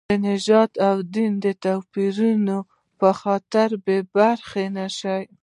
د نژادي او دیني توپیرونو په خاطر بې برخې نه شي.